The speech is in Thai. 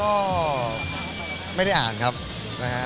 ก็ไม่ได้อ่านครับนะฮะ